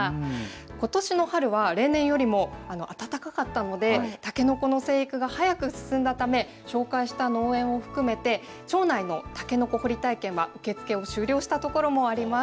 ことしの春は例年よりも暖かかったのでたけのこの生育が早く進んだため紹介した農園を含めて町内のたけのこ掘り体験は受け付けを終了したところもあります。